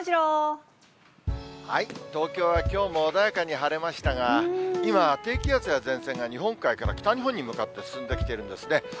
東京はきょうも穏やかに晴れましたが、今、低気圧や前線が日本海から北日本に向かって、進んできているんですね。